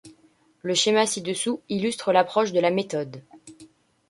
Le schéma ci-dessous illustre l’approche de la méthode.